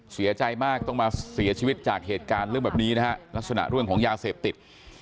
เสียใจมากต้องมาเสียชีวิตจากเหตุการณ์เรื่องแบบนี้นะฮะลักษณะเรื่องของยาเสพติด